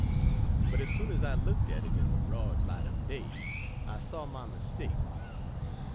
But as soon as I looked at it in the broad light of day, I saw my mistake.